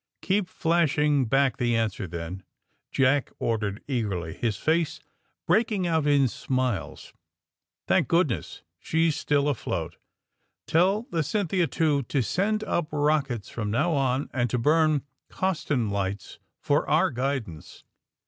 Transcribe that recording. " '^Keep flashing back the answer, then,'' Jaclf ordered eagerly, his face breaking out in smiles. *^ Thank goodness she's still afloat. Tell the * Cynthia, ' too, to send up rockets from now on, and to burn Coston lights for our guidance."